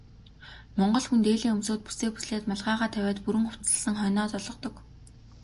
Монгол хүн дээлээ өмсөөд, бүсээ бүслээд малгайгаа тавиад бүрэн хувцасласан хойноо золгодог.